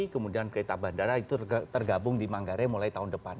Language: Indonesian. kemudian kereta bandara itu tergabung di manggarai mulai tahun depan